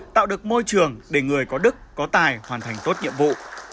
tạo được môi trường để người có đức có tài hoàn thành tốt nhiệm vụ